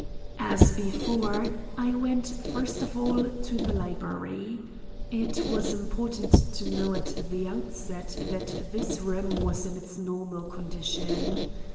As before, I went first of all to the library. It was important to know at the outset that this room was in its normal condition.